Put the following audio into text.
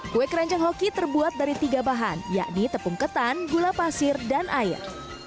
kue keranjang hoki terbuat dari tiga bahan yakni tepung ketan gula pasir dan air